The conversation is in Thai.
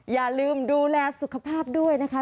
อย่าลืมดูแลสุขภาพด้วยนะคะ